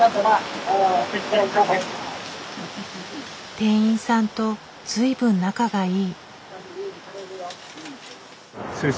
店員さんと随分仲がいい。